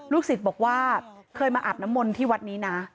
ศิษย์บอกว่าเคยมาอาบน้ำมนต์ที่วัดนี้นะ